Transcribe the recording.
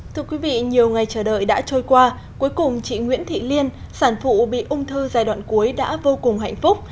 thưa quý vị nhiều ngày chờ đợi đã trôi qua cuối cùng chị nguyễn thị liên sản phụ bị ung thư giai đoạn cuối đã vô cùng hạnh phúc